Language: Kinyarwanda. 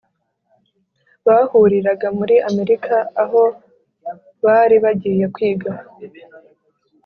Bahuriraga muri Amerika aho bari baragiye kwiga.